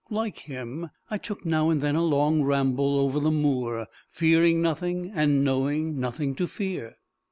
Like him, I took now and then a long ramble over the moor, fearing nothing, and knowing nothing to fear.